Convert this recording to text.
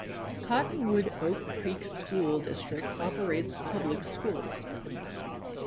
Cottonwood-Oak Creek School District operates public schools.